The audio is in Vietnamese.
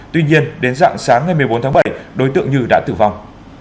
tuy nhiên đến dạng sáng ngày một mươi bốn tháng bảy đối tượng như đã tử vong